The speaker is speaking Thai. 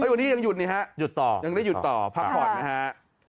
วันนี้ยังหยุดไหมฮะยังได้หยุดต่อพักผ่อนไหมฮะหยุดต่อ